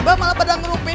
bah malah pada ngerupin